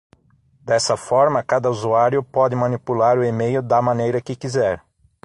Dessa forma, cada usuário pode manipular o email da maneira que quiser.